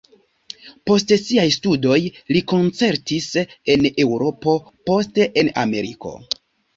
Post siaj studoj li koncertis en Eŭropo, poste en Ameriko.